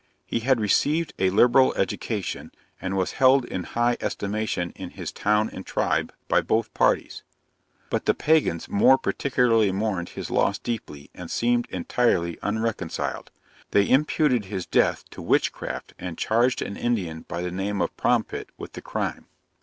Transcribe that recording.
He had received a liberal education, and was held in high estimation in his town and tribe, by both parties; but the pagans more particularly mourned his loss deeply, and seemed entirely unreconciled. They imputed his death to witchcraft, and charged an Indian by the name of Prompit, with the crime.